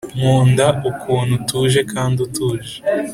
nkunda ukuntu utuje kandi utuje